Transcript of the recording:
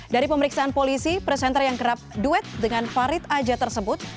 dari pemeriksaan polisi presenter yang kerap duet dengan farid aja tersebut